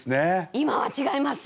今は違います。